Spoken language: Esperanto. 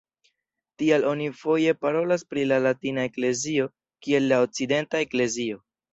Tial oni foje parolas pri la latina eklezio kiel "la okcidenta eklezio".